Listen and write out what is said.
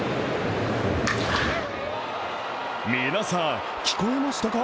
皆さん、聞こえましたか？